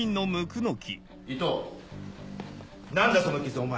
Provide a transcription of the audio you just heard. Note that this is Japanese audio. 伊藤何だその傷お前。